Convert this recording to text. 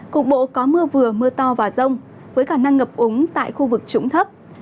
cục bộ có mưa vừa mưa to và rông với khả năng ngập úng tại khu vực trũng thấp